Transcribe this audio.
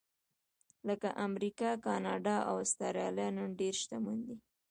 لکه امریکا، کاناډا او اسټرالیا نن ډېر شتمن دي.